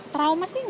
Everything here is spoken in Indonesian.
trauma sih gak